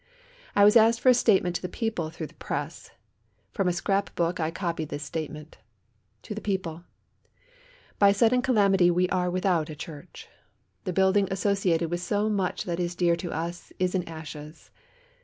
I was asked for a statement to the people through the press. From a scrap book I copy this statement: "To the People "By sudden calamity we are without a church. The building associated with so much that is dear to us is in ashes.